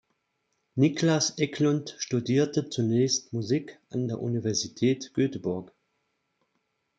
Niklas Eklund studierte zunächst Musik an der Universität Göteborg.